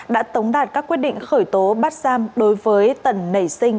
đã tống đạt các quyết định khởi tố bắt giam đối với tần nảy sinh